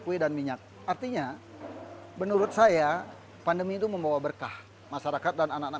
kue dan minyak artinya menurut saya pandemi itu membawa berkah masyarakat dan anak anak